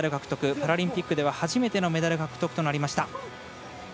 パラリンピックでは初めてのメダル獲得となりました。